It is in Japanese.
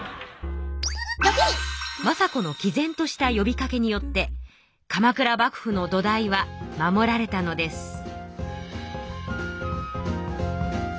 政子のきぜんとしたよびかけによって鎌倉幕府の土台は守られたのです。